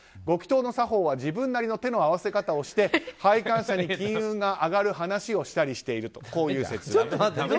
ご祈祷の作法は自分なりの手の合わせ方をして拝観料に金運が上がる話をしたりしているとこういう説明でした。